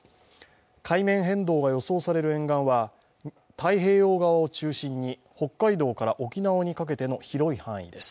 海面変動が予想される沿岸は太平洋側を中心に北海道から沖縄にかけての広い範囲です。